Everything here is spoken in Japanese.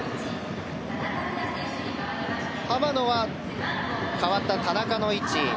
浜野は、代わった田中の位置。